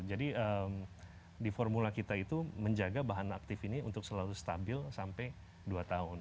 jadi di formula kita itu menjaga bahan aktif ini untuk selalu stabil sampai dua tahun